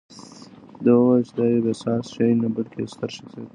ده وویل چې دا یو بې ساه شی نه، بلکې یو ستر شخصیت دی.